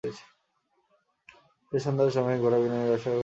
সেই সন্ধ্যার সময়েই গোরা বিনয়ের বাসায় আসিয়া উপস্থিত।